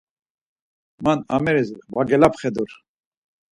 Man ameris va gelapxedur.